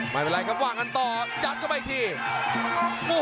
ไม่เป็นไรครับว่ากันต่อยัดเข้าไปอีกที